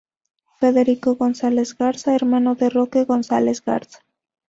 Federico González Garza -hermano de Roque González Garza-.